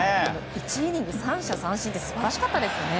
１イニング３者三振って素晴らしかったですよね。